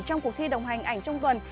trong cuộc thi đồng hành ảnh trong tuần